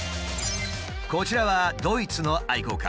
こちらはドイツの愛好家。